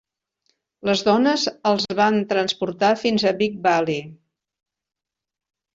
Les dones els van transportar fins a Big Valley.